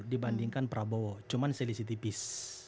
dibandingkan prabowo cuma selisih tipis